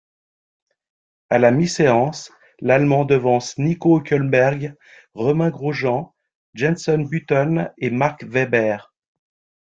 À la mi-séance, l'Allemand devance Nico Hülkenberg, Romain Grosjean, Jenson Button et Mark Webber.